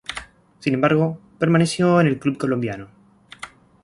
Sin embargo, permaneció en el club colombiano.